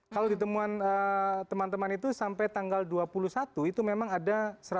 kalau ditemuan teman teman itu sampai tanggal dua puluh satu itu memang ada satu ratus delapan puluh